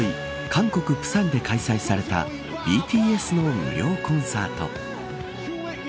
韓国釜山で開催されたＢＴＳの無料コンサート。